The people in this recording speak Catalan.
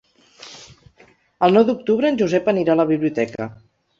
El nou d'octubre en Josep anirà a la biblioteca.